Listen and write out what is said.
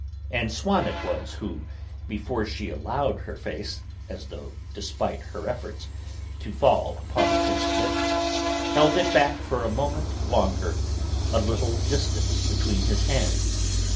And Swann it was who, before she allowed her face, as though despite her efforts, to fall upon his lips, held it back for a moment longer, at a little distance between his hands.